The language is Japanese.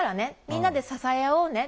みんなで支え合おうね。